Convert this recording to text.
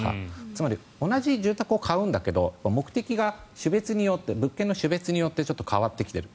つまり同じ住宅を買うんだけど目的が物件の種別によってちょっと変わってきている。